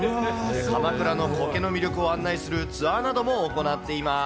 鎌倉のコケの魅力を案内するツアーなども行っています。